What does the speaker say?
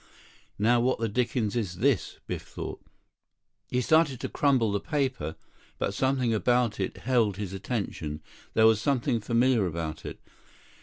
"Now what the dickens is this?" Biff thought. He started to crumple the paper, but something about it held his attention. There was something familiar about it.